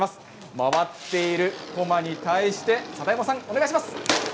回っているこまに対して貞右衛門さんお願いします。